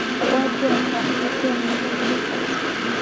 Watu wanao shiriki wanaweza kuja sasa